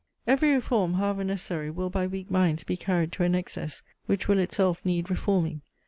Every reform, however necessary, will by weak minds be carried to an excess, which will itself need reforming.